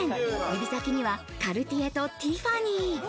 指先にはカルティエとティファニー。